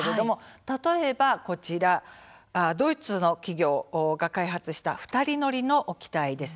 例えば、こちらドイツの企業が開発した２人乗りの機体です。